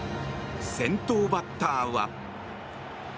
先頭バッターは。